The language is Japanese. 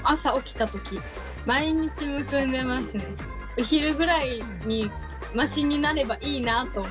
お昼ぐらいにマシになればいいなと思って。